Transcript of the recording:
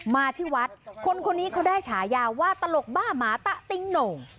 มาที่วัดคนคนนี้เขาได้ฉายาว่าตลกบ้าหมาตะติ๊งโหน่ง